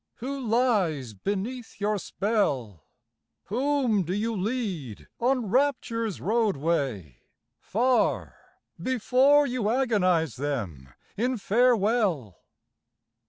Who lies beneath your spell? Whom do you lead on Rapture's roadway, far, Before you agonise them in farewell?